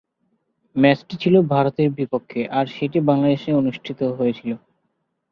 ম্যাচটি ছিল ভারতের বিপক্ষে, আর সেটি বাংলাদেশে অনুষ্ঠিত হয়েছিল।